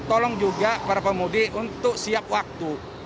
tolong juga para pemudik untuk siap waktu